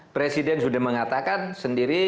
presiden sudah mengatakan sendiri